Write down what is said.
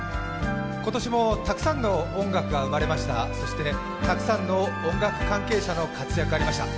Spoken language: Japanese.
今年もたくさんの音楽が生まれました、そしてたくさんの音楽関係者の活躍がありました。